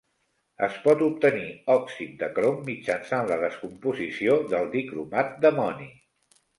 Es pot obtenir òxid de crom mitjançant la descomposició del dicromat d'amoni.